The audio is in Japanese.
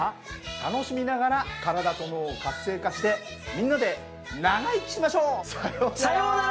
楽しみながら体と脳を活性化してみんなで長生きしましょう！さようなら。